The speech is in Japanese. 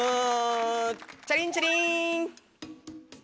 チャリンチャリン。